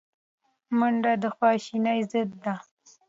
منډه د خواشینۍ ضد ده